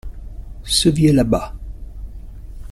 Ce vieux là-bas.